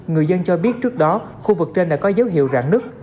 người dân cho biết trước đó khu vực trên đã có dấu hiệu rạn nứt